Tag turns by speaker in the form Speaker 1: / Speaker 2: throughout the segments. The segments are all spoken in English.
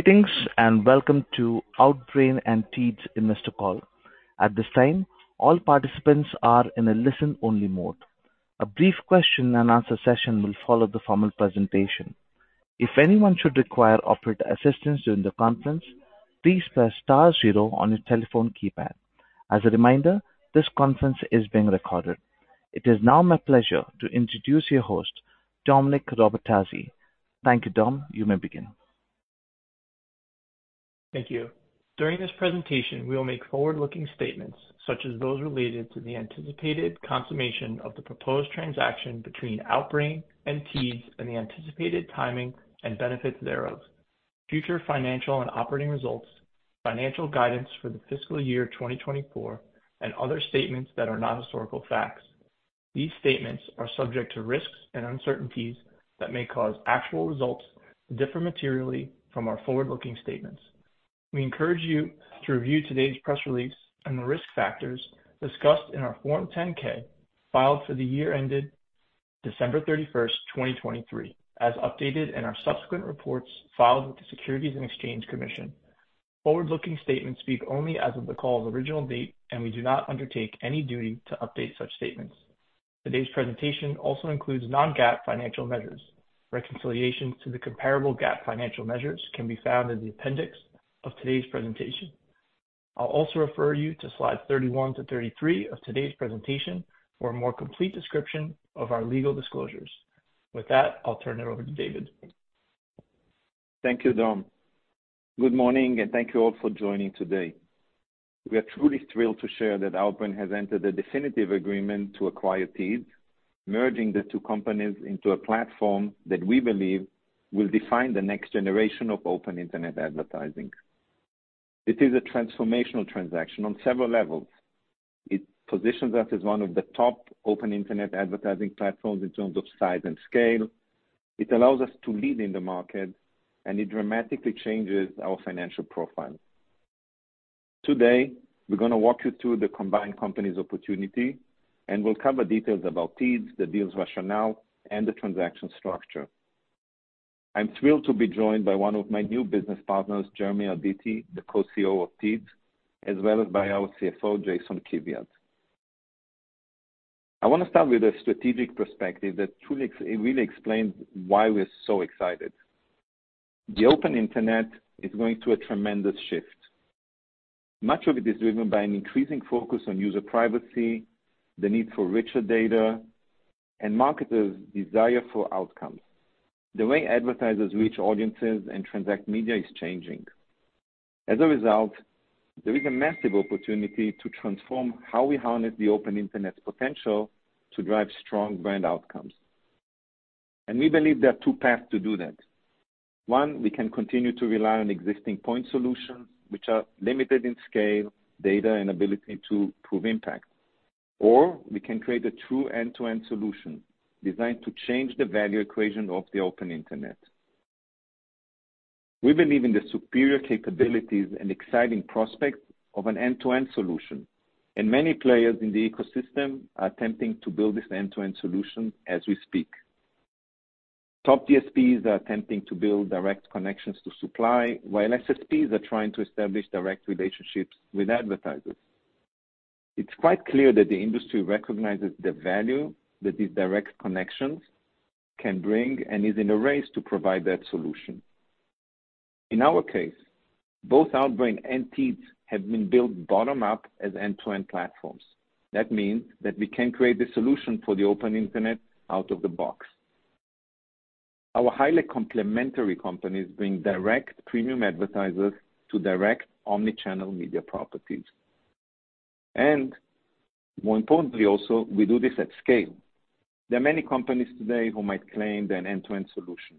Speaker 1: Greetings and welcome to Outbrain and Teads Investor Call. At this time, all participants are in a listen-only mode. A brief question-and-answer session will follow the formal presentation. If anyone should require operator assistance during the conference, please press star zero on your telephone keypad. As a reminder, this conference is being recorded. It is now my pleasure to introduce your host, Dom Paschel. Thank you, Dom. You may begin.
Speaker 2: Thank you. During this presentation, we will make forward-looking statements such as those related to the anticipated consummation of the proposed transaction between Outbrain and Teads and the anticipated timing and benefits thereof, future financial and operating results, financial guidance for the fiscal year 2024, and other statements that are not historical facts. These statements are subject to risks and uncertainties that may cause actual results to differ materially from our forward-looking statements. We encourage you to review today's press release and the risk factors discussed in our Form 10-K filed for the year ended December 31st, 2023, as updated in our subsequent reports filed with the Securities and Exchange Commission. Forward-looking statements speak only as of the call's original date, and we do not undertake any duty to update such statements. Today's presentation also includes non-GAAP financial measures. Reconciliations to the comparable GAAP financial measures can be found in the appendix of today's presentation. I'll also refer you to slides 31-33 of today's presentation for a more complete description of our legal disclosures. With that, I'll turn it over to David.
Speaker 3: Thank you, Dom. Good morning, and thank you all for joining today. We are truly thrilled to share that Outbrain has entered a definitive agreement to acquire Teads, merging the two companies into a platform that we believe will define the next generation of open internet advertising. It is a transformational transaction on several levels. It positions us as one of the top open internet advertising platforms in terms of size and scale. It allows us to lead in the market, and it dramatically changes our financial profile. Today, we're going to walk you through the combined company's opportunity, and we'll cover details about Teads, the deal's rationale, and the transaction structure. I'm thrilled to be joined by one of my new business partners, Jeremy Arditi, the co-CEO of Teads, as well as by our CFO, Jason Kiviat. I want to start with a strategic perspective that truly really explains why we're so excited. The Open Internet is going through a tremendous shift. Much of it is driven by an increasing focus on user privacy, the need for richer data, and marketers' desire for outcomes. The way advertisers reach audiences and transact media is changing. As a result, there is a massive opportunity to transform how we harness the Open Internet's potential to drive strong brand outcomes. We believe there are two paths to do that. One, we can continue to rely on existing point solutions, which are limited in scale, data, and ability to prove impact. Or we can create a true end-to-end solution designed to change the value equation of the Open Internet. We believe in the superior capabilities and exciting prospects of an end-to-end solution, and many players in the ecosystem are attempting to build this end-to-end solution as we speak. Top DSPs are attempting to build direct connections to supply, while SSPs are trying to establish direct relationships with advertisers. It's quite clear that the industry recognizes the value that these direct connections can bring and is in a race to provide that solution. In our case, both Outbrain and Teads have been built bottom-up as end-to-end platforms. That means that we can create the solution for the open internet out of the box. Our highly complementary companies bring direct premium advertisers to direct omnichannel media properties. More importantly, also, we do this at scale. There are many companies today who might claim they're an end-to-end solution,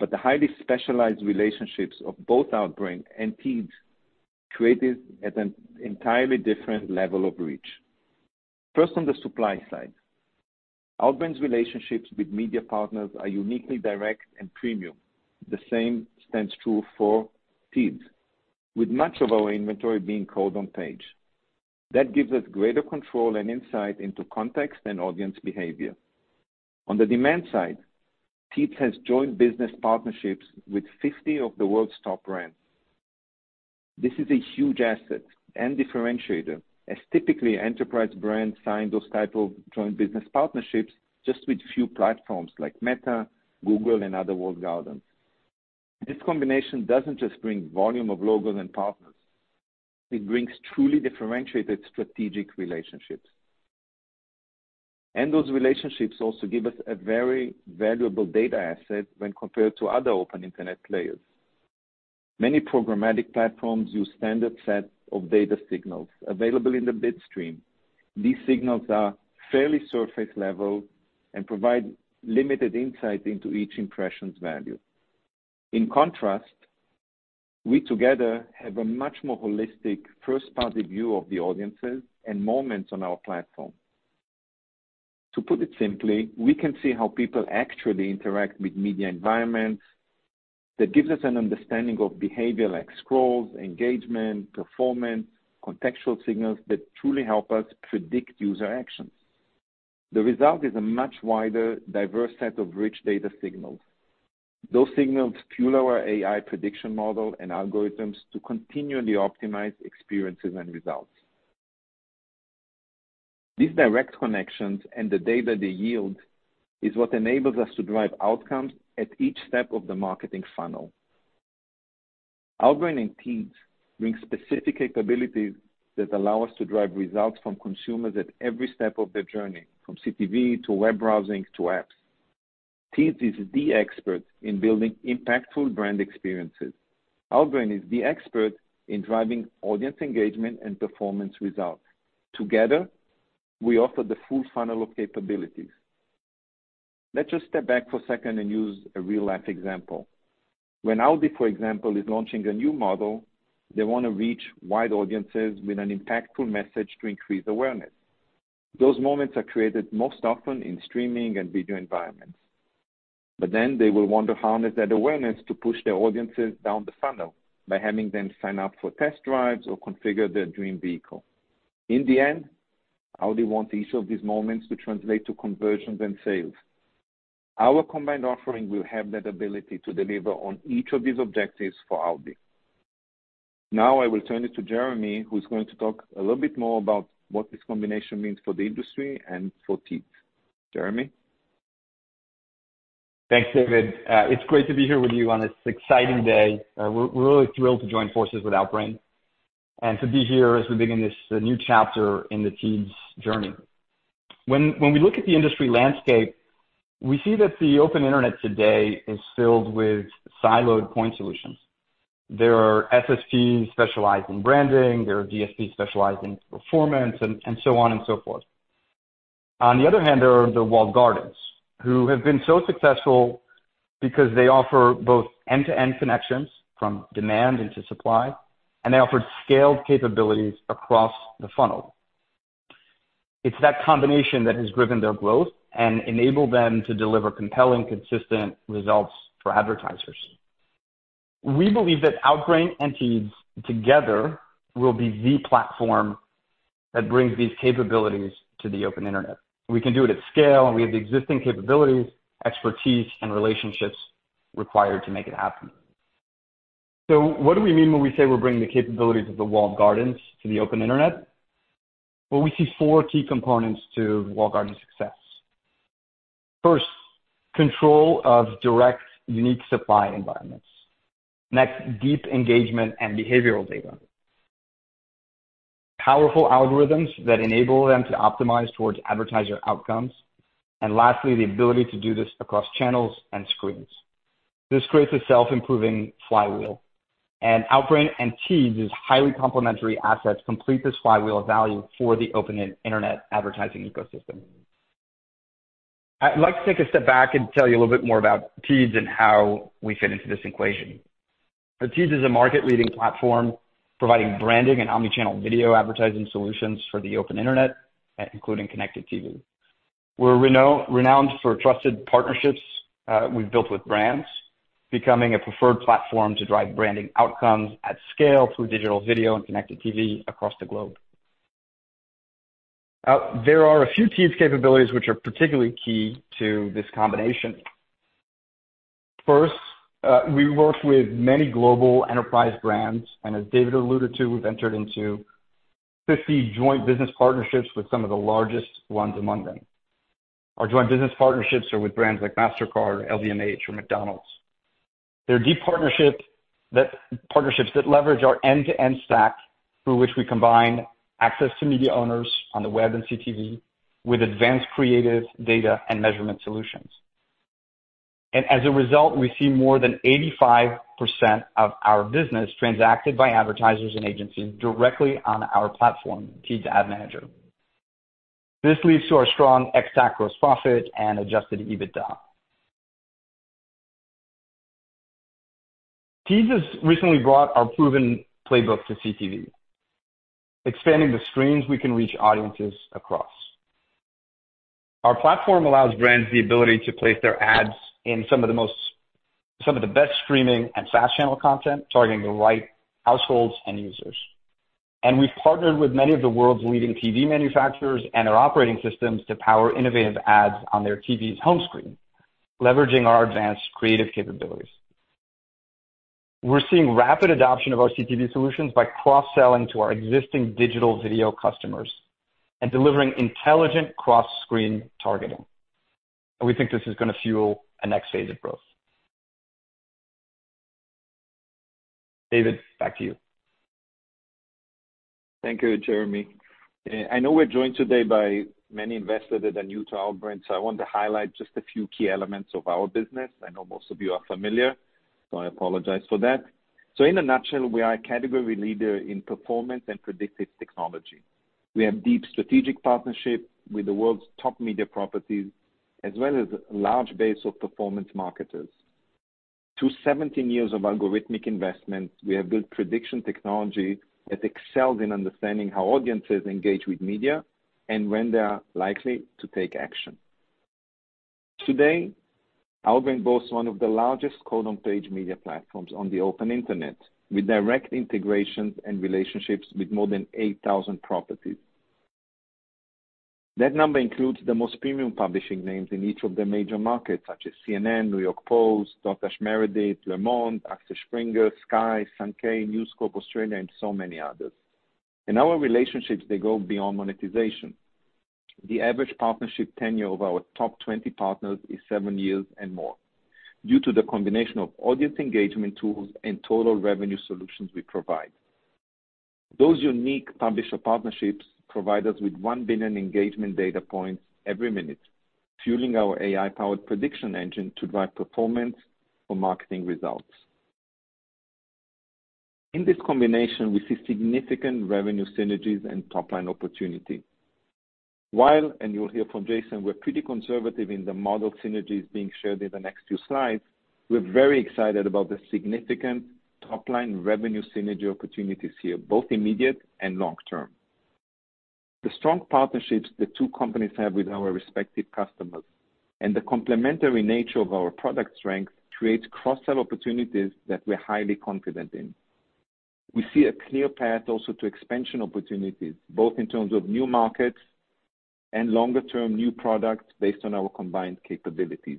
Speaker 3: but the highly specialized relationships of both Outbrain and Teads create an entirely different level of reach. First, on the supply side, Outbrain's relationships with media partners are uniquely direct and premium. The same stands true for Teads, with much of our inventory being Code on Page. That gives us greater control and insight into context and audience behavior. On the demand side, Teads has Joint Business Partnerships with 50 of the world's top brands. This is a huge asset and differentiator, as typically enterprise brands sign those types of Joint Business Partnerships just with few platforms like Meta, Google, and other Walled Gardens. This combination doesn't just bring volume of logos and partners. It brings truly differentiated strategic relationships. And those relationships also give us a very valuable data asset when compared to other Open Internet players. Many programmatic platforms use standard sets of data signals available in the bidstream. These signals are fairly surface-level and provide limited insight into each impression's value. In contrast, we together have a much more holistic first-party view of the audiences and moments on our platform. To put it simply, we can see how people actually interact with media environments. That gives us an understanding of behavior like scrolls, engagement, performance, contextual signals that truly help us predict user actions. The result is a much wider, diverse set of rich data signals. Those signals fuel our AI prediction model and algorithms to continually optimize experiences and results. These direct connections and the data they yield is what enables us to drive outcomes at each step of the marketing funnel. Outbrain and Teads bring specific capabilities that allow us to drive results from consumers at every step of their journey, from CTV to web browsing to apps. Teads is the expert in building impactful brand experiences. Outbrain is the expert in driving audience engagement and performance results. Together, we offer the full funnel of capabilities. Let's just step back for a second and use a real-life example. When Aldi, for example, is launching a new model, they want to reach wide audiences with an impactful message to increase awareness. Those moments are created most often in streaming and video environments. But then they will want to harness that awareness to push their audiences down the funnel by having them sign up for test drives or configure their dream vehicle. In the end, Aldi wants each of these moments to translate to conversions and sales. Our combined offering will have that ability to deliver on each of these objectives for Aldi. Now I will turn it to Jeremy, who's going to talk a little bit more about what this combination means for the industry and for Teads. Jeremy?
Speaker 4: Thanks, David. It's great to be here with you on this exciting day. We're really thrilled to join forces with Outbrain and to be here as we begin this new chapter in the Teads journey. When we look at the industry landscape, we see that the open internet today is filled with siloed point solutions. There are SSPs specialized in branding. There are DSPs specialized in performance, and so on and so forth. On the other hand, there are the walled gardens who have been so successful because they offer both end-to-end connections from demand into supply, and they offer scaled capabilities across the funnel. It's that combination that has driven their growth and enabled them to deliver compelling, consistent results for advertisers. We believe that Outbrain and Teads together will be the platform that brings these capabilities to the open internet. We can do it at scale, and we have the existing capabilities, expertise, and relationships required to make it happen. So what do we mean when we say we're bringing the capabilities of the Walled Gardens to the Open Internet? Well, we see four key components to Walled Garden success. First, control of direct, unique supply environments. Next, deep engagement and behavioral data. Powerful algorithms that enable them to optimize towards advertiser outcomes. And lastly, the ability to do this across channels and screens. This creates a self-improving flywheel. Outbrain and Teads' highly complementary assets complete this flywheel of value for the Open Internet advertising ecosystem. I'd like to take a step back and tell you a little bit more about Teads and how we fit into this equation. Teads is a market-leading platform providing branding and omnichannel video advertising solutions for the Open Internet, including Connected TV. We're renowned for trusted partnerships we've built with brands, becoming a preferred platform to drive branding outcomes at scale through digital video and connected TV across the globe. There are a few Teads capabilities which are particularly key to this combination. First, we work with many global enterprise brands. And as David alluded to, we've entered into 50 joint business partnerships with some of the largest ones among them. Our joint business partnerships are with brands like Mastercard, LVMH, or McDonald's. They're deep partnerships that leverage our end-to-end stack through which we combine access to media owners on the web and CTV with advanced creative data and measurement solutions. And as a result, we see more than 85% of our business transacted by advertisers and agencies directly on our platform, Teads Ad Manager. This leads to our strong Ex-TAC gross profit and Adjusted EBITDA. Teads has recently brought our proven playbook to CTV, expanding the screens we can reach audiences across. Our platform allows brands the ability to place their ads in some of the best streaming and FAST channel content targeting the right households and users. And we've partnered with many of the world's leading TV manufacturers and their operating systems to power innovative ads on their TV's home screen, leveraging our advanced creative capabilities. We're seeing rapid adoption of our CTV solutions by cross-selling to our existing digital video customers and delivering intelligent cross-screen targeting. And we think this is going to fuel a next phase of growth. David, back to you.
Speaker 3: Thank you, Jeremy. I know we're joined today by many investors that are new to Outbrain, so I want to highlight just a few key elements of our business. I know most of you are familiar, so I apologize for that. So in a nutshell, we are a category leader in performance and predictive technology. We have deep strategic partnerships with the world's top media properties, as well as a large base of performance marketers. Through 17 years of algorithmic investment, we have built prediction technology that excels in understanding how audiences engage with media and when they are likely to take action. Today, Outbrain boasts one of the largest code on-page media platforms on the open internet with direct integrations and relationships with more than 8,000 properties. That number includes the most premium publishing names in each of the major markets, such as CNN, New York Post, Dotdash Meredith, Le Monde, Axel Springer, Sky, Sankei, News Corp Australia, and so many others. Our relationships, they go beyond monetization. The average partnership tenure of our top 20 partners is seven years and more due to the combination of audience engagement tools and total revenue solutions we provide. Those unique publisher partnerships provide us with 1 billion engagement data points every minute, fueling our AI-powered prediction engine to drive performance for marketing results. In this combination, we see significant revenue synergies and top-line opportunity. While, and you'll hear from Jason, we're pretty conservative in the model synergies being shared in the next few slides, we're very excited about the significant top-line revenue synergy opportunities here, both immediate and long-term. The strong partnerships the two companies have with our respective customers and the complementary nature of our product strength create cross-sell opportunities that we're highly confident in. We see a clear path also to expansion opportunities, both in terms of new markets and longer-term new products based on our combined capabilities.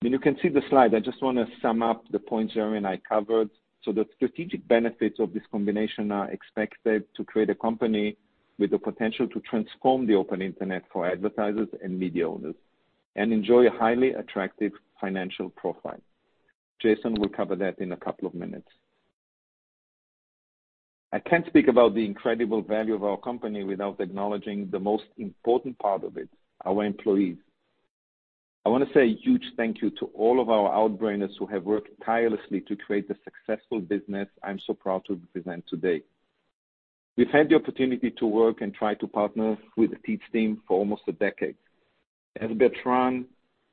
Speaker 3: When you can see the slide, I just want to sum up the points Jeremy and I covered. The strategic benefits of this combination are expected to create a company with the potential to transform the open internet for advertisers and media owners and enjoy a highly attractive financial profile. Jason will cover that in a couple of minutes. I can't speak about the incredible value of our company without acknowledging the most important part of it, our employees. I want to say a huge thank you to all of our Outbrainers who have worked tirelessly to create the successful business I'm so proud to represent today. We've had the opportunity to work and try to partner with the Teads team for almost a decade. As Bertrand,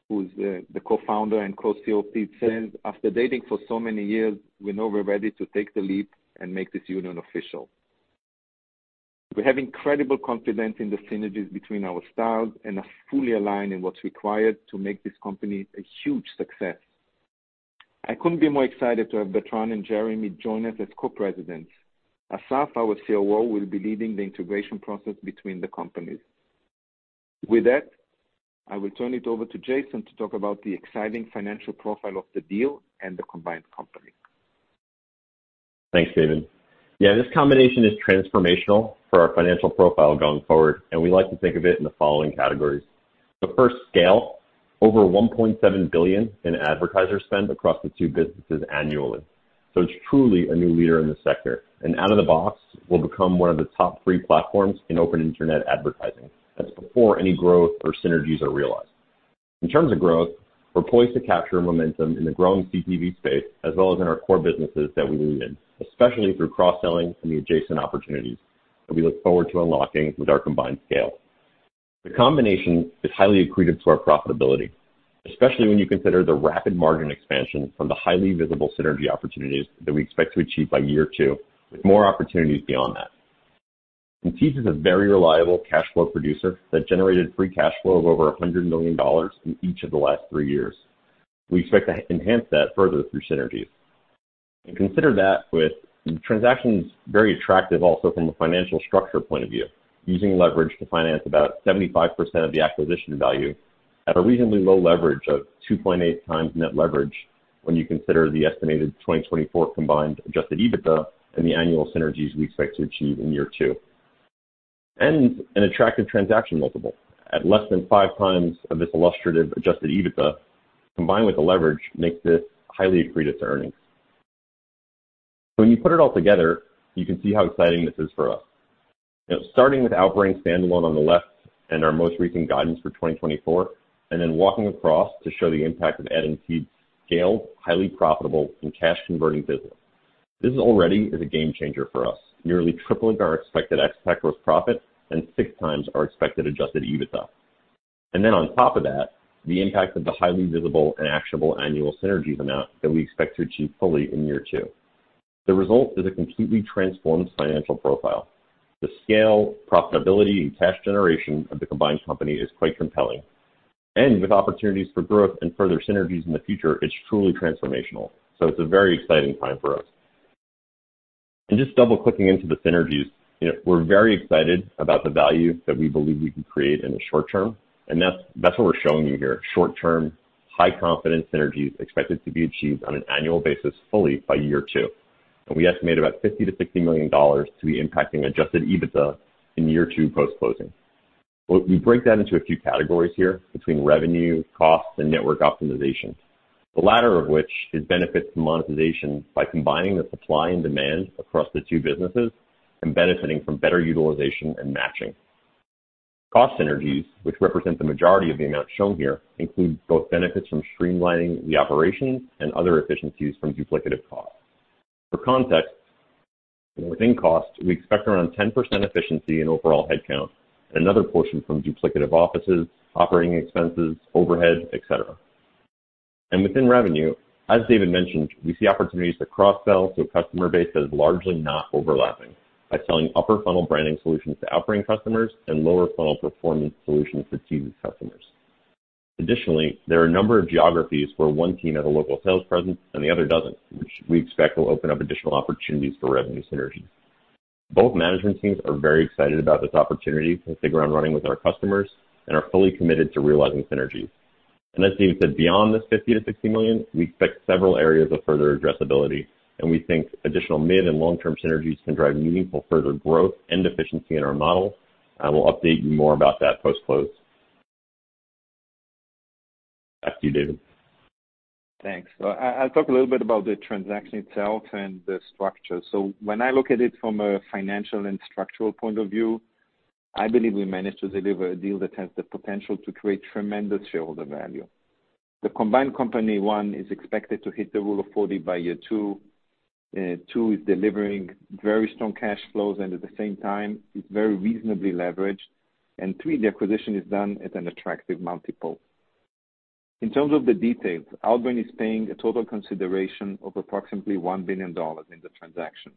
Speaker 3: who is the Co-Founder and Co-CEO of Teads says, after dating for so many years, we know we're ready to take the leap and make this union official. We have incredible confidence in the synergies between our styles and are fully aligned in what's required to make this company a huge success. I couldn't be more excited to have Bertrand and Jeremy join us as Co-Presidents. Asaf, our COO, will be leading the integration process between the companies. With that, I will turn it over to Jason to talk about the exciting financial profile of the deal and the combined company.
Speaker 5: Thanks, David. Yeah, this combination is transformational for our financial profile going forward, and we like to think of it in the following categories. The first scale, over $1.7 billion in advertiser spend across the two businesses annually. So it's truly a new leader in the sector. Out of the box, we'll become one of the top three platforms in open internet advertising. That's before any growth or synergies are realized. In terms of growth, we're poised to capture momentum in the growing CTV space as well as in our core businesses that we lead in, especially through cross-selling and the adjacent opportunities that we look forward to unlocking with our combined scale. The combination is highly accretive to our profitability, especially when you consider the rapid margin expansion from the highly visible synergy opportunities that we expect to achieve by year two, with more opportunities beyond that. Teads is a very reliable cash flow producer that generated free cash flow of over $100 million in each of the last three years. We expect to enhance that further through synergies. Consider that this transaction is very attractive also from a financial structure point of view, using leverage to finance about 75% of the acquisition value at a reasonably low leverage of 2.8x net leverage when you consider the estimated 2024 combined Adjusted EBITDA and the annual synergies we expect to achieve in year two. An attractive transaction multiple at less than 5x this illustrative Adjusted EBITDA, combined with the leverage, makes this highly accretive to earnings. So when you put it all together, you can see how exciting this is for us. Starting with Outbrain standalone on the left and our most recent guidance for 2024, and then walking across to show the impact of adding Teads scaled, highly profitable, and cash-converting business. This already is a game changer for us, nearly tripling our expected ex-TAC gross profit and 6 times our expected Adjusted EBITDA. And then on top of that, the impact of the highly visible and actionable annual synergies amount that we expect to achieve fully in year two. The result is a completely transformed financial profile. The scale, profitability, and cash generation of the combined company is quite compelling. And with opportunities for growth and further synergies in the future, it's truly transformational. So it's a very exciting time for us. And just double-clicking into the synergies, we're very excited about the value that we believe we can create in the short term. That's what we're showing you here. Short-term, high-confidence synergies expected to be achieved on an annual basis fully by year two. We estimate about $50-$60 million to be impacting Adjusted EBITDA in year two post-closing. We break that into a few categories here between revenue, costs, and network optimization, the latter of which is benefits from monetization by combining the supply and demand across the two businesses and benefiting from better utilization and matching. Cost synergies, which represent the majority of the amount shown here, include both benefits from streamlining the operations and other efficiencies from duplicative costs. For context, within costs, we expect around 10% efficiency in overall headcount and another portion from duplicative offices, operating expenses, overhead, etc. Within revenue, as David mentioned, we see opportunities to cross-sell to a customer base that is largely not overlapping by selling upper-funnel branding solutions to Outbrain customers and lower-funnel performance solutions to Teads customers. Additionally, there are a number of geographies where one team has a local sales presence and the other doesn't, which we expect will open up additional opportunities for revenue synergies. Both management teams are very excited about this opportunity to stick around running with our customers and are fully committed to realizing synergies. As David said, beyond this $50 million-$60 million, we expect several areas of further addressability. We think additional mid and long-term synergies can drive meaningful further growth and efficiency in our model. I will update you more about that post-close. Back to you, David.
Speaker 3: Thanks. I'll talk a little bit about the transaction itself and the structure. So when I look at it from a financial and structural point of view, I believe we managed to deliver a deal that has the potential to create tremendous shareholder value. The combined company 1 is expected to hit the Rule of 40 by year 2. 2 is delivering very strong cash flows and at the same time, it's very reasonably leveraged. And 3, the acquisition is done at an attractive multiple. In terms of the details, Outbrain is paying a total consideration of approximately $1 billion in the transaction.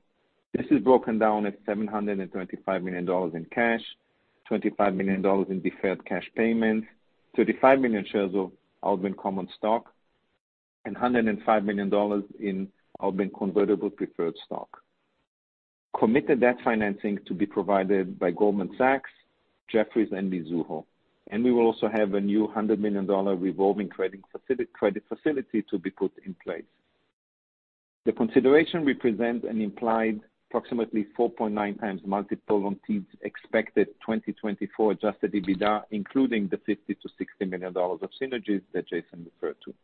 Speaker 3: This is broken down as $725 million in cash, $25 million in deferred cash payments, $35 million shares of Outbrain Common Stock, and $105 million in Outbrain Convertible preferred stock. Committed that financing to be provided by Goldman Sachs, Jefferies, and Mizuho. We will also have a new $100 million revolving credit facility to be put in place. The consideration represents an implied approximately 4.9x multiple on Teads' expected 2024 adjusted EBITDA, including the $50-$60 million of synergies that Jason referred to.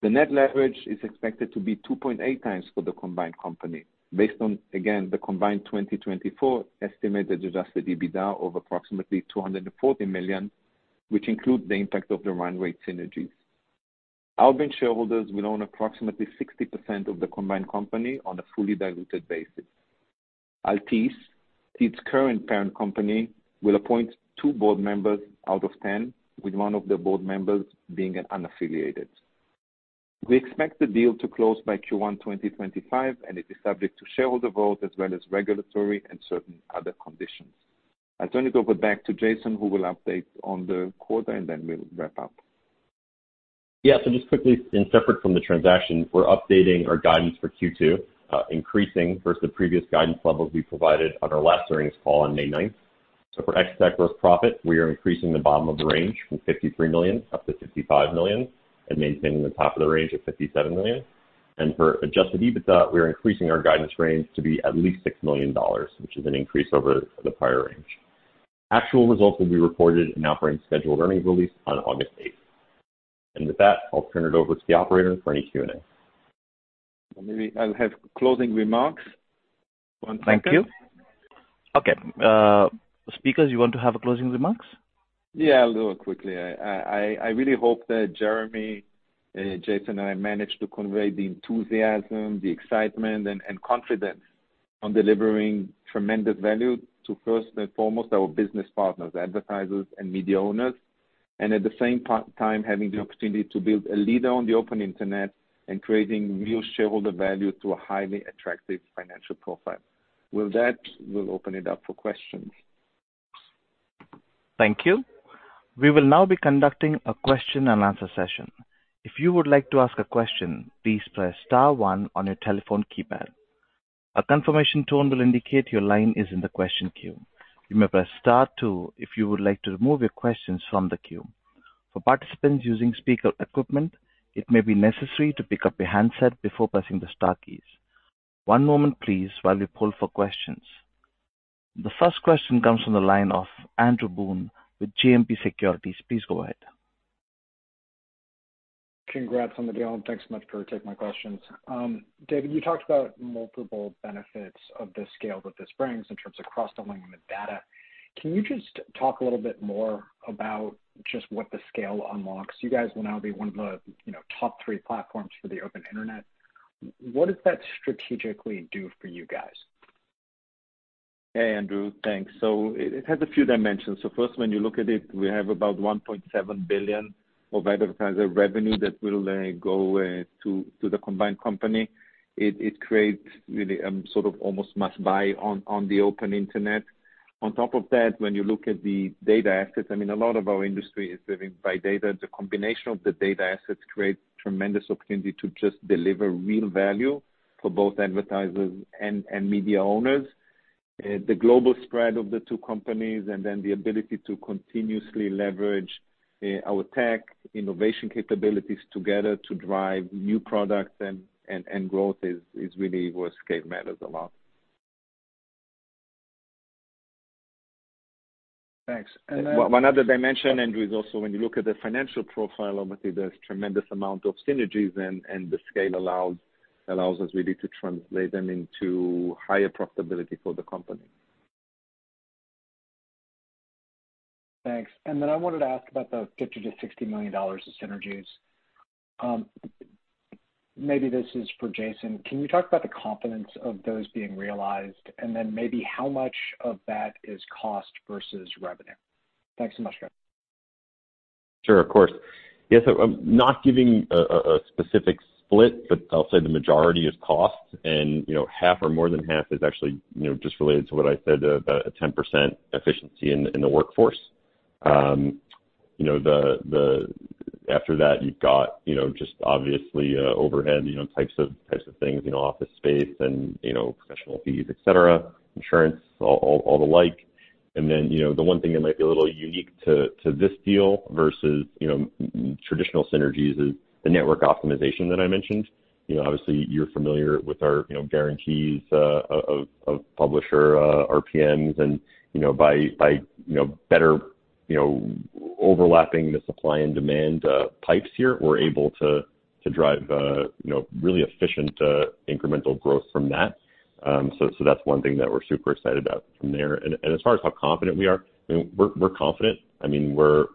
Speaker 3: The net leverage is expected to be 2.8x for the combined company based on, again, the combined 2024 estimated adjusted EBITDA of approximately $240 million, which includes the impact of the run-rate synergies. Outbrain shareholders will own approximately 60% of the combined company on a fully diluted basis. Altice, Teads' current parent company, will appoint two board members out of 10, with one of the board members being an unaffiliated. We expect the deal to close by Q1 2025, and it is subject to shareholder vote as well as regulatory and certain other conditions. I'll turn it over back to Jason, who will update on the quarter, and then we'll wrap up.
Speaker 5: Yeah, so just quickly. In separate from the transaction, we're updating our guidance for Q2, increasing versus the previous guidance levels we provided on our last earnings call on May 9th. So for ex-TAC gross profit, we are increasing the bottom of the range from $53 million up to $55 million and maintaining the top of the range of $57 million. And for adjusted EBITDA, we're increasing our guidance range to be at least $6 million, which is an increase over the prior range. Actual results will be reported in Outbrain's scheduled earnings release on August 8th. And with that, I'll turn it over to the operator for any Q&A.
Speaker 3: Maybe I'll have closing remarks.
Speaker 1: Thank you. Okay. Speakers, you want to have closing remarks?
Speaker 3: Yeah, a little quickly. I really hope that Jeremy, Jason, and I managed to convey the enthusiasm, the excitement, and confidence on delivering tremendous value to, first and foremost, our business partners, advertisers, and media owners, and at the same time, having the opportunity to build a leader on the Open Internet and creating real shareholder value to a highly attractive financial profile. With that, we'll open it up for questions.
Speaker 1: Thank you. We will now be conducting a question and answer session. If you would like to ask a question, please press Star 1 on your telephone keypad. A confirmation tone will indicate your line is in the question queue. You may press Star 2 if you would like to remove your questions from the queue. For participants using speaker equipment, it may be necessary to pick up your handset before pressing the Star keys. One moment, please, while we pull for questions. The first question comes from the line of Andrew Boone with JMP Securities. Please go ahead.
Speaker 6: Congrats on the deal, and thanks so much for taking my questions. David, you talked about multiple benefits of the scale that this brings in terms of cross-selling the data. Can you just talk a little bit more about just what the scale unlocks? You guys will now be one of the top three platforms for the Open Internet. What does that strategically do for you guys?
Speaker 3: Hey, Andrew, thanks. So it has a few dimensions. So first, when you look at it, we have about $1.7 billion of advertiser revenue that will go to the combined company. It creates really a sort of almost must-buy on the Open Internet. On top of that, when you look at the data assets, I mean, a lot of our industry is driven by data. The combination of the data assets creates tremendous opportunity to just deliver real value for both advertisers and media owners. The global spread of the two companies and then the ability to continuously leverage our tech innovation capabilities together to drive new products and growth is really where scale matters a lot.
Speaker 6: Thanks. And then.
Speaker 3: One other dimension, Andrew, is also when you look at the financial profile of it, there's a tremendous amount of synergies, and the scale allows us really to translate them into higher profitability for the company.
Speaker 6: Thanks. And then I wanted to ask about the $50-$60 million of synergies. Maybe this is for Jason. Can you talk about the confidence of those being realized? And then maybe how much of that is cost versus revenue? Thanks so much, guys.
Speaker 5: Sure, of course. Yes, I'm not giving a specific split, but I'll say the majority is cost, and half or more than half is actually just related to what I said, a 10% efficiency in the workforce. After that, you've got just obviously overhead types of things, office space and professional fees, etc., insurance, all the like. And then the one thing that might be a little unique to this deal versus traditional synergies is the network optimization that I mentioned. Obviously, you're familiar with our guarantees of publisher RPMs. And by better overlapping the supply and demand pipes here, we're able to drive really efficient incremental growth from that. So that's one thing that we're super excited about from there. And as far as how confident we are, I mean, we're confident. I mean, we're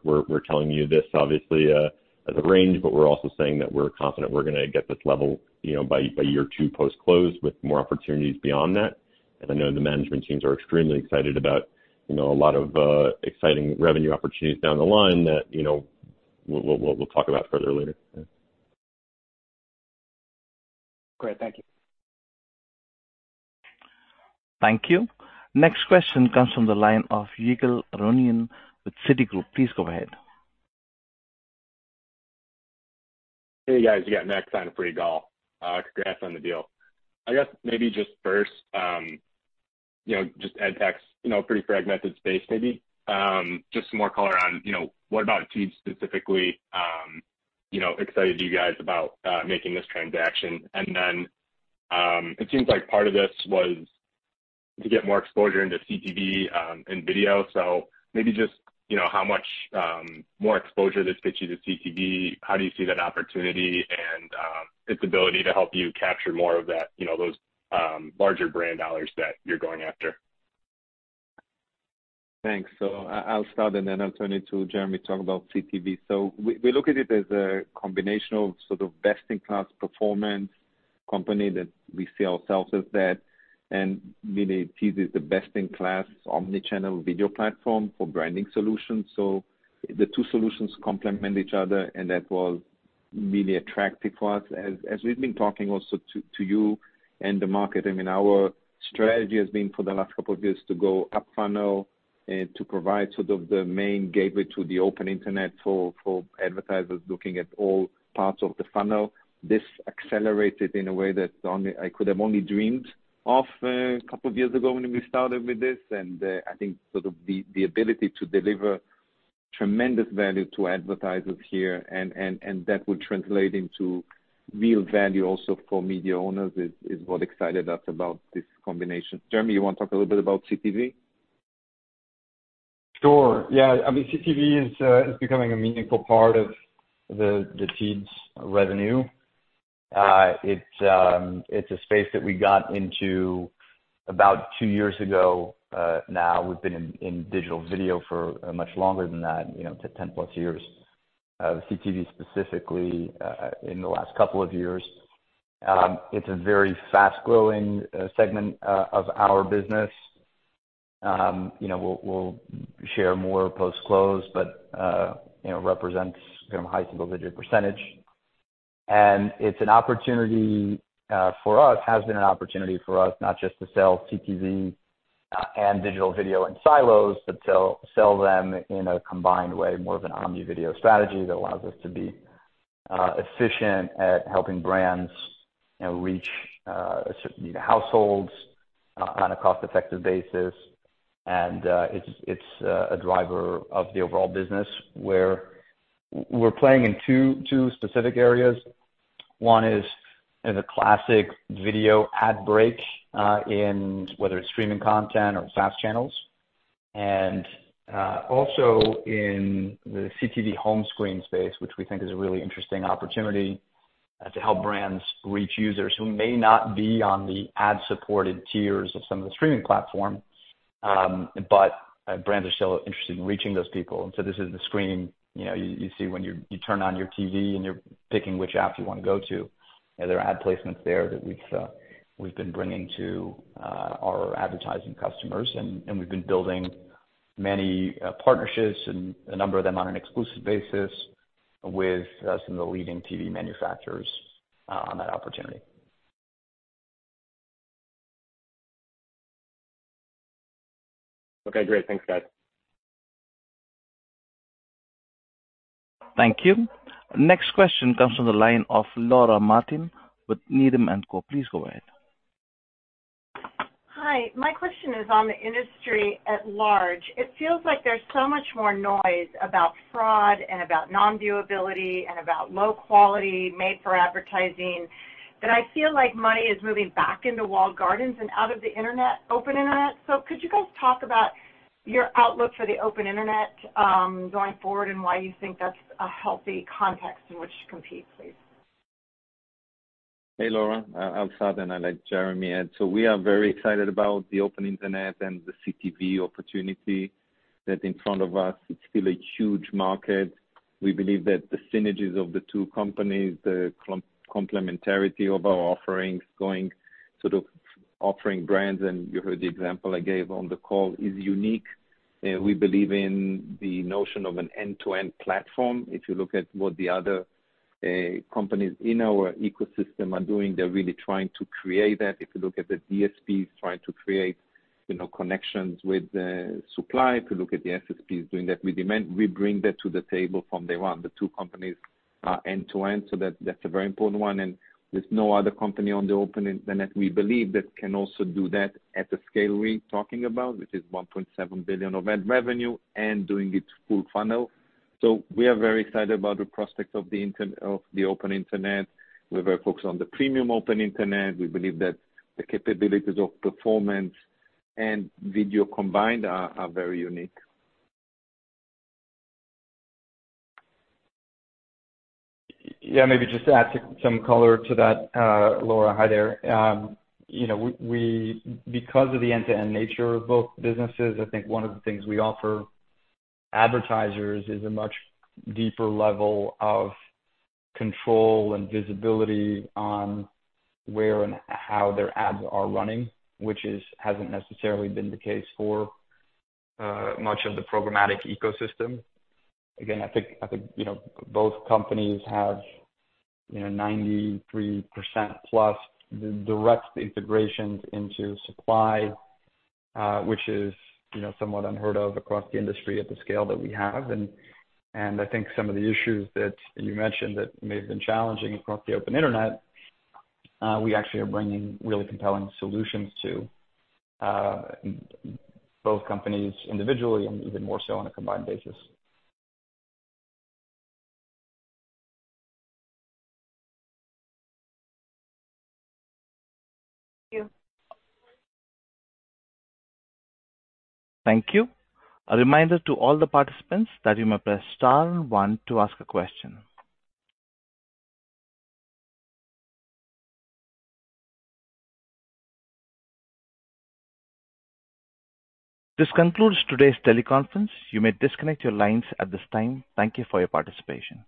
Speaker 5: telling you this obviously as a range, but we're also saying that we're confident we're going to get this level by year 2 post-close with more opportunities beyond that. I know the management teams are extremely excited about a lot of exciting revenue opportunities down the line that we'll talk about further later.
Speaker 6: Great. Thank you.
Speaker 1: Thank you. Next question comes from the line of Yigal Arounian with Citigroup. Please go ahead.
Speaker 7: Hey, guys. Yeah, next on the earnings call. Congrats on the deal. I guess maybe just first, just ad-tech, pretty fragmented space maybe. Just some more color on what about Teads specifically excited you guys about making this transaction? And then it seems like part of this was to get more exposure into CTV and video. So maybe just how much more exposure this gets you to CTV, how do you see that opportunity and its ability to help you capture more of those larger brand dollars that you're going after?
Speaker 3: Thanks. So I'll start, and then I'll turn it to Jeremy to talk about CTV. So we look at it as a combination of sort of best-in-class performance company that we see ourselves as that. And really, Teads is the best-in-class omnichannel video platform for branding solutions. So the two solutions complement each other, and that was really attractive for us. As we've been talking also to you and the market, I mean, our strategy has been for the last couple of years to go up funnel and to provide sort of the main gateway to the open internet for advertisers looking at all parts of the funnel. This accelerated in a way that I could have only dreamed of a couple of years ago when we started with this. I think sort of the ability to deliver tremendous value to advertisers here, and that will translate into real value also for media owners is what excited us about this combination. Jeremy, you want to talk a little bit about CTV?
Speaker 4: Sure. Yeah. I mean, CTV is becoming a meaningful part of the Teads revenue. It's a space that we got into about 2 years ago now. We've been in digital video for much longer than that, 10+ years. CTV specifically in the last couple of years. It's a very fast-growing segment of our business. We'll share more post-close, but it represents a high single-digit %. And it's an opportunity for us, has been an opportunity for us, not just to sell CTV and digital video in silos, but to sell them in a combined way, more of an omnivideo strategy that allows us to be efficient at helping brands reach certain households on a cost-effective basis. And it's a driver of the overall business where we're playing in two specific areas. One is the classic video ad break in whether it's streaming content or FAST channels. Also in the CTV home screen space, which we think is a really interesting opportunity to help brands reach users who may not be on the ad-supported tiers of some of the streaming platform, but brands are still interested in reaching those people. So this is the screen you see when you turn on your TV and you're picking which app you want to go to. There are ad placements there that we've been bringing to our advertising customers. We've been building many partnerships, a number of them on an exclusive basis, with some of the leading TV manufacturers on that opportunity.
Speaker 7: Okay. Great. Thanks, guys.
Speaker 1: Thank you. Next question comes from the line of Laura Martin with Needham & Co. Please go ahead.
Speaker 8: Hi. My question is on the industry at large. It feels like there's so much more noise about fraud and about non-viewability and about low-quality made-for-advertising that I feel like money is moving back into walled gardens and out of the open internet. So could you guys talk about your outlook for the open internet going forward and why you think that's a healthy context in which to compete, please?
Speaker 3: Hey, Laura. I'll start, and I'll let Jeremy add. So we are very excited about the open internet and the CTV opportunity that's in front of us. It's still a huge market. We believe that the synergies of the two companies, the complementarity of our offerings, sort of offering brands, and you heard the example I gave on the call, is unique. We believe in the notion of an end-to-end platform. If you look at what the other companies in our ecosystem are doing, they're really trying to create that. If you look at the DSPs, trying to create connections with the supply. If you look at the SSPs, doing that with demand. We bring that to the table from day one. The two companies are end-to-end, so that's a very important one. There's no other company on the Open Internet we believe that can also do that at the scale we're talking about, which is $1.7 billion of ad revenue and doing it full funnel. We are very excited about the prospects of the Open Internet. We're very focused on the premium Open Internet. We believe that the capabilities of performance and video combined are very unique.
Speaker 4: Yeah, maybe just to add some color to that, Laura. Hi there. Because of the end-to-end nature of both businesses, I think one of the things we offer advertisers is a much deeper level of control and visibility on where and how their ads are running, which hasn't necessarily been the case for much of the programmatic ecosystem. Again, I think both companies have 93%+ direct integrations into supply, which is somewhat unheard of across the industry at the scale that we have. And I think some of the issues that you mentioned that may have been challenging across the open internet, we actually are bringing really compelling solutions to both companies individually and even more so on a combined basis.
Speaker 8: Thank you.
Speaker 1: Thank you. A reminder to all the participants that you may press Star 1 to ask a question. This concludes today's teleconference. You may disconnect your lines at this time. Thank you for your participation.